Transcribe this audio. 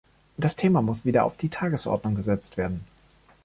Das Thema muss wieder auf die Tagesordnung gesetzt werden.